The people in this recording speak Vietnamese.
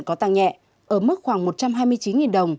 có tăng nhẹ ở mức khoảng một trăm hai mươi chín đồng